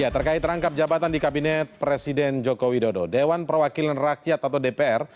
terkait rangkap jabatan di kabinet presiden joko widodo dewan perwakilan rakyat atau dpr